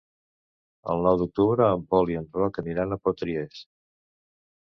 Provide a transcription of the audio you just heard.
El nou d'octubre en Pol i en Roc aniran a Potries.